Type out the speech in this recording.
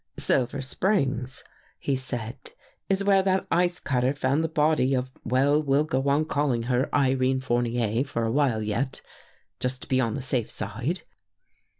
" Silver Springs," he said, " is where that ice cutter found the body of — well, we'll go on calling her Irene Fournier for a while yet, just to be on the safe side."